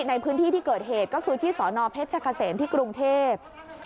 ในพื้นที่ที่เกิดเหตุก็คือที่สนเพชรเกษมที่กรุงเทพ